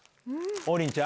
王林ちゃん？